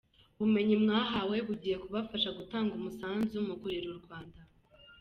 Ubumenyi mwahawe bugiye kubafasha gutanga umusanzu mu kurerera u Rwanda.